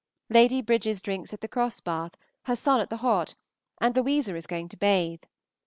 Lady Bridges drinks at the Cross Bath, her son at the Hot, and Louisa is going to bathe.